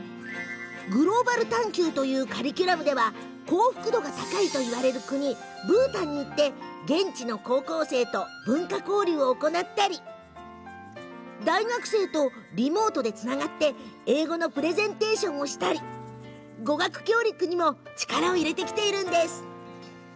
グローバル探究というカリキュラムでは幸福度が高いといわれる国ブータンに行って現地の高校生と文化交流を行ったりリモートで大学生とつないで英語のプレゼンテーションをしたり語学教育にも力を入れてきました。